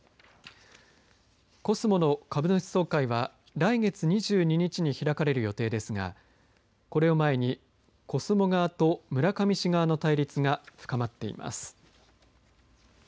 コスモの株主総会は来月２２日に開かれる予定ですがこれを前にコスモ側と村上氏側の対立が深まっています。